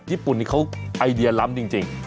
ญี่ปุ่นนี้เขาไอเดียล้ำจริง